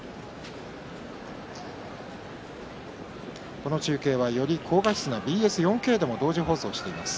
この中継は、より高画質なＢＳ４Ｋでも放送しています。